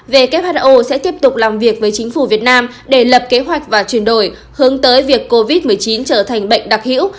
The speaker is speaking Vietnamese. who sẽ tiếp tục làm việc với chính phủ việt nam để lập kế hoạch và chuyển đổi hướng tới việc covid một mươi chín trở thành bệnh đặc hữu